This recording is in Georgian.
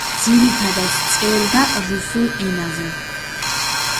ძირითადად წერდა რუსულ ენაზე.